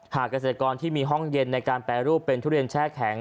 เกษตรกรที่มีห้องเย็นในการแปรรูปเป็นทุเรียนแช่แข็ง